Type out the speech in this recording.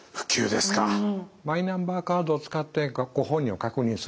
マイナンバーカードを使ってご本人を確認すると。